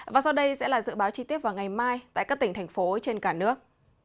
và sau đây sẽ là dự báo chi tiết vào ngày mai tại các tỉnh thành phố trên cả nước